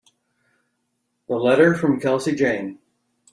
The letter from Kelsey Jane.